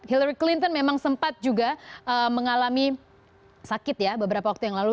hillary clinton memang sempat juga mengalami sakit ya beberapa waktu yang lalu